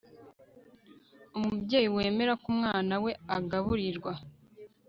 Umubyeyi wemera ko umwana we agaburirwa